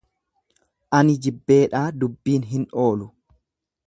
Ani jibbeedhaa dubbiin hin.oolu.